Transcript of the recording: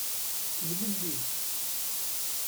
Mlelli.